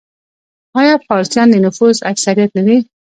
آیا فارسیان د نفوس اکثریت نه دي؟